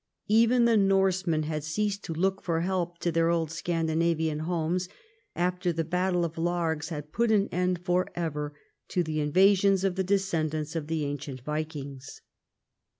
Even the Norsemen had ceased to look for help to their old Scandinavian homes, after the battle of Largs had put an end for ever to the invasions of the descendants of the ancient Vikings.